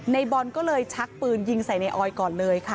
ในบอลก็เลยชักปืนยิงใส่ในออยก่อนเลยค่ะ